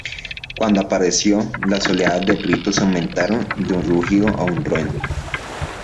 Cuando apareció, las oleadas de gritos aumentaron de un rugido a un trueno.